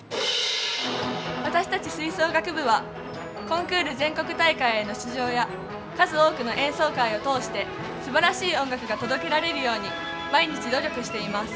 私たち吹奏楽部はコンクール、全国大会への出場や数多くの演奏会を通してすばらしい音楽が届けられるように毎日、努力しています。